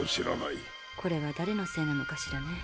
これはだれのせいなのかしらね。